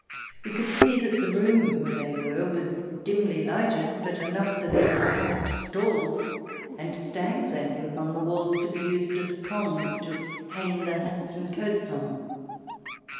We could see that the room where they were was dimly lighted, but enough that there were carved stalls and stags' antlers on the walls, to be used as prongs to hang the hats and coats on.